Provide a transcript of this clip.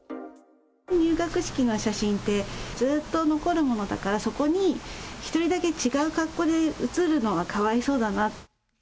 入学式の写真って、ずっと残るものだから、そこに１人だけ違う格好で写るのはかわいそうだな。